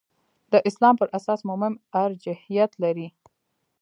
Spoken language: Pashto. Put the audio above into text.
د اسلام پر اساس مومن ارجحیت لري.